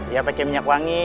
ya pakai minyak wangi